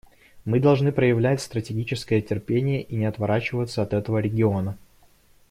Мы должны проявлять стратегическое терпение и не отворачиваться от этого региона.